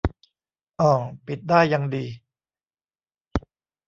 อ่อ ปิดได้ ยังดี